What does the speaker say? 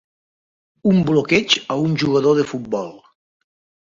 un bloqueig a un jugador de futbol